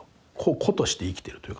個として生きてるというかな。